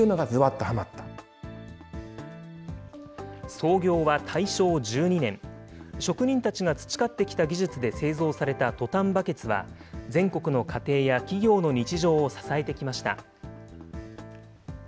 創業は大正１２年、職人たちが培ってきた技術で製造されたトタンバケツは、全国の家庭や企業の日常を支えてきました。